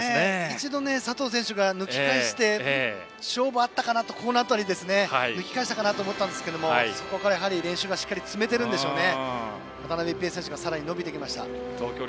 一度、佐藤選手が抜け出して勝負あったかと思ったんですが抜き返したかなと思ったんですが練習がしっかり積めているんでしょうね。